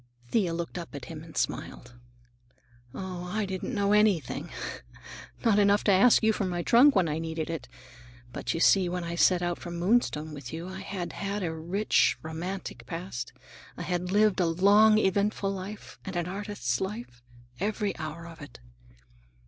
Thea looked up at him and smiled. "Oh, I didn't know anything! Not enough to ask you for my trunk when I needed it. But you see, when I set out from Moonstone with you, I had had a rich, romantic past. I had lived a long, eventful life, and an artist's life, every hour of it.